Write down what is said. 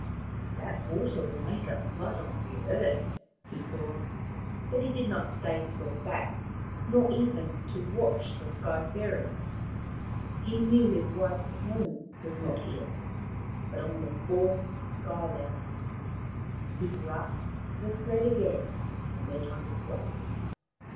" That water will make a flood on the earth," he thought ; but he did not stay to look back, nor even to watch the Sky fairies. He knew his wife's home was not here, but on the fourth Sky land. He grasped the thread again, and went on his way.